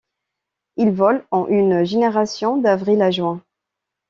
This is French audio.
Il vole en une génération, d'avril à juin.